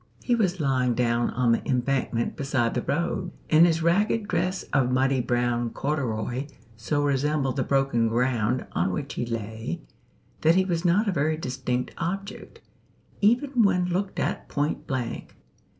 He was lying down on the embankment beside the road, and his ragged dress of muddy brown corduroy so resembled the broken ground, on which he lay that he was not a very distinct object, even when looked at point blank.